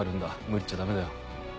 無理言っちゃダメだよ。